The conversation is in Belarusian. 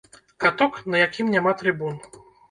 Каток, на якім няма трыбун.